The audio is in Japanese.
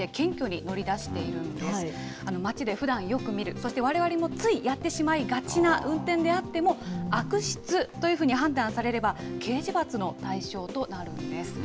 街でふだんよく見る、そしてわれわれもついやってしまいがちな運転であっても、悪質というふうに判断されれば、刑事罰の対象となるんです。